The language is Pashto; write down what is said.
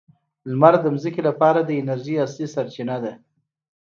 لمر د ځمکې لپاره د انرژۍ اصلي سرچینه ده.